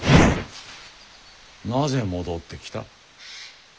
なぜ戻ってきた？